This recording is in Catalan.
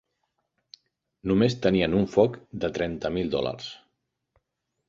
Només tenien un foc de trenta mil dòlars.